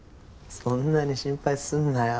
そんなに心配すんなよ。